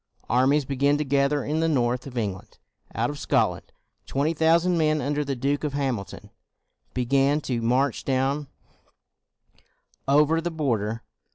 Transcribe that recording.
Armies began to gather in the north of England. Out of Scotland, twenty thousand men under the Duke of Hamilton began to march down over the border.